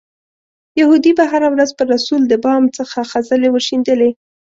یهودي به هره ورځ پر رسول د بام څخه خځلې ورشیندلې.